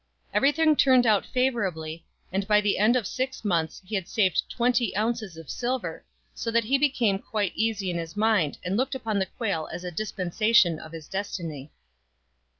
Everything turned out favourably, and by the end of six months he had saved twenty ounces of silver, so that he became quite easy in his mind 72 STRANGE STORIES and looked upon the quail as a dispensation of his destiny.